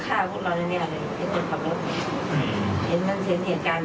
ฐานไปนะคะมากบ้างฆ่าคนเดียวกัน